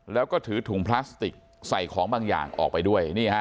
แล้วก็ถือถุงพลาสติกใส่ของบางอย่างออกไปด้วย